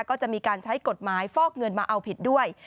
ก็จะมีการใช้กฎหมายฟอกเงินมาเอาผิดด้วย